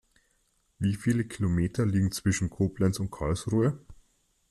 Wie viele Kilometer liegen zwischen Koblenz und Karlsruhe?